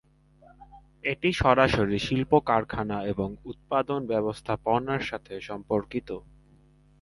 এটি সরাসরি শিল্প কারখানা এবং উৎপাদন ব্যবস্থাপনার সাথে সম্পর্কিত।